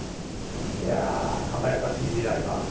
いや輝かしい未来がある。